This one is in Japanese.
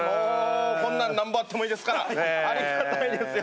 こんなんなんぼあってもいいですからありがたいですよ